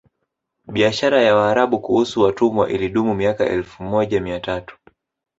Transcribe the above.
Biashara ya Waarabu kuhusu watumwa ilidumu miaka elfu moja mia tatu